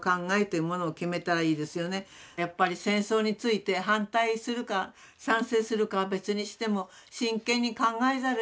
やっぱり戦争について反対するか賛成するかは別にしても真剣に考えざるをえないと思う。